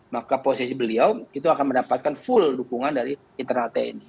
maka posisi beliau itu akan mendapatkan full dukungan dari internal tni